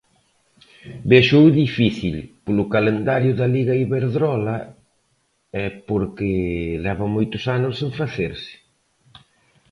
Véxoo difícil, polo calendario da Liga Iberdrola e porque leva moitos anos sen facerse.